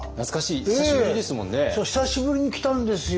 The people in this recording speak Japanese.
久しぶりに来たんですよ。